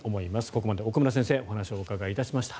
ここまで奥村先生にお話をお伺いしました。